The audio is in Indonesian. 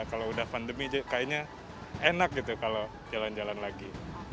kalau udah pandemi kayaknya enak gitu kalau jalan jalan lagi